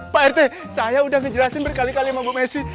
pak rt saya udah ngejelasin berkali kali sama bu messi